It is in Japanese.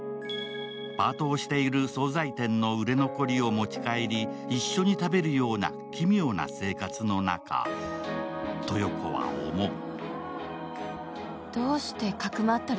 パートをしている総菜店の売れ残りを持ち帰り一緒に食べるような奇妙な生活の中、豊子は思う。